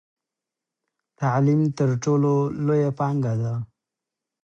تعلیم تر ټولو لویه پانګه ده.